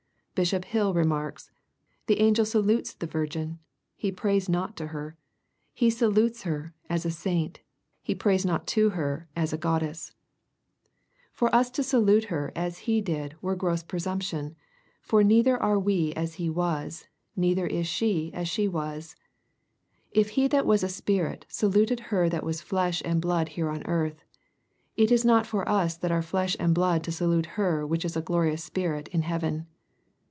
Bishop Hall remarks, "The angel salutes the virgin; he prays not to her. He ttlutes her, as a saint; he prays not to her as a goddesEW 26 EXPOSITORY THOUQHTS. For us to salute her as be did were gross presumption, foi neitlior are we as he was, neither is she as she was. If he that was a spirit, saluted her that was flesh and blood here on earth, it is not for us that are flesh and blood to salute her which is a glorious spirit in heaven.